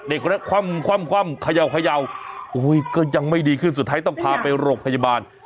เด็กนั้นคว่ำขยาวโอ้ยก็ยังไม่ดีขึ้นสุดท้ายต้องพาไปโรคพยาบาล